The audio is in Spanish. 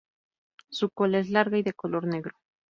Su cola es larga y de color negro.